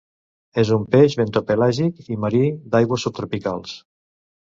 És un peix bentopelàgic i marí d'aigües subtropicals.